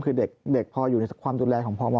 คือเด็กพออยู่ในความดูแลของพม